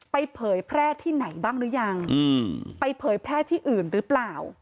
เผยแพร่ที่ไหนบ้างหรือยังไปเผยแพร่ที่อื่นหรือเปล่า